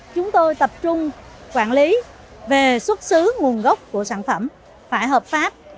chúng tôi tập trung quản lý về xuất xứ nguồn gốc của sản phẩm phải hợp pháp